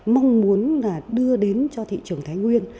mong muốn đưa đến cho thị trường thái nguyên